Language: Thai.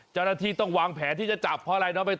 เจ้าหน้าที่ต้องวางแผนที่จะจับเพราะอะไรน้องไปต่อ